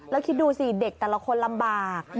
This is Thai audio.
แล้วคิดดูสิเด็กแต่ละคนลำบาก